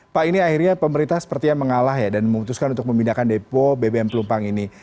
pak ini akhirnya pemerintah sepertinya mengalah ya dan memutuskan untuk memindahkan depo bbm pelumpang ini